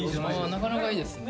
なかなかいいですね。